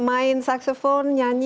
aku juga pengen nyanyi